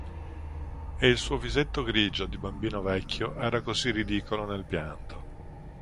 E il suo visetto grigio di bambino vecchio era così ridicolo nel pianto.